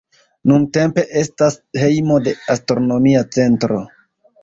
Nuntempe estas hejmo de astronomia centro.